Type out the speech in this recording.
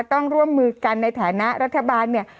ต้องร่วมมือกันในฐานะรัฐบาลเนี่ย